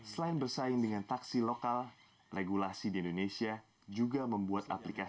selain bersaing dengan taksi lokal regulasi di indonesia juga membuat apa yang terjadi di jakarta